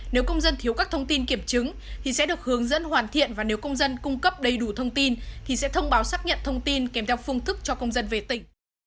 nếu công dân thiếu các thông tin kiểm chứng thì sẽ được hướng dẫn hoàn thiện và nếu công dân cung cấp đầy đủ thông tin thì sẽ thông báo xác nhận thông tin kèm theo phương thức cho công dân về tỉnh